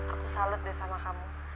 aku salut deh sama kamu